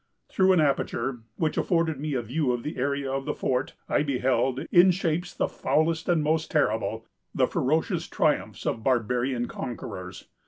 Through an aperture, which afforded me a view of the area of the fort, I beheld, in shapes the foulest and most terrible, the ferocious triumphs of barbarian conquerors.